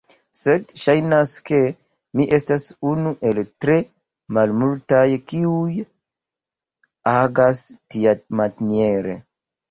Sed saĵnas ke mi estas unu el tre malmultaj kiuj agas tiamaniere.